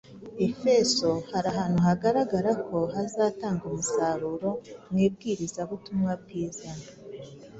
Efeso hari ahantu hagaragara ko hazatanga umusaruro mu ibwirizabutumwa bwiza.